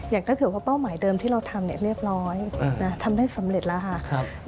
ถ้าเกิดว่าเป้าหมายเดิมที่เราทำเรียบร้อยทำได้สำเร็จแล้วค่ะ